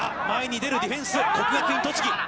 前に出るディフェンス国学院栃木。